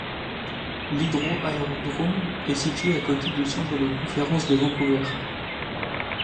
L'hydroaérodrome est situé à côté du Centre de conférences de Vancouver.